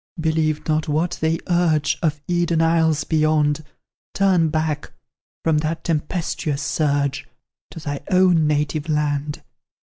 Believe not what they urge Of Eden isles beyond; Turn back, from that tempestuous surge, To thy own native land.